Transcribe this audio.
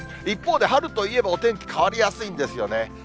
一方で、春といえばお天気変わりやすいんですよね。